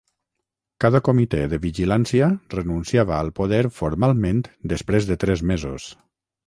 Cada Comitè de Vigilància renunciava al poder formalment després de tres mesos.